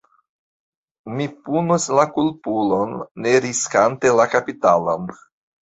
Mi punos la kulpulon, ne riskante la kapitalon.